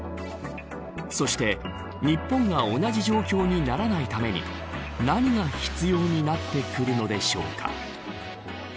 そして、日本が同じ状況にならないために何が必要になってくるのでしょうか。